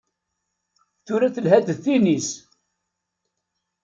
Tura telha-d d tinis.